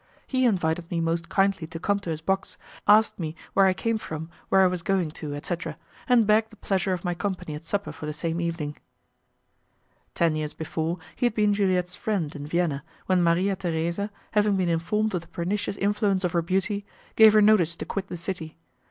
He invited me most kindly to come to his box, asked me where I came from, where I was going to, etc., and begged the pleasure of my company at supper for the same evening. Ten years before, he had been Juliette's friend in Vienna, when Maria Theresa, having been informed of the pernicious influence of her beauty, gave her notice to quit the city.